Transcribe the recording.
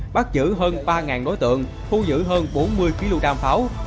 bắt giữ hơn ba đối tượng thu giữ hơn bốn mươi kg đam pháo